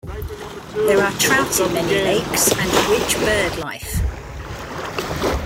There are trout in many lakes, and a rich bird life.